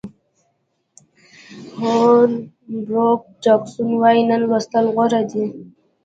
هول بروک جاکسون وایي نن لوستل غوره دي.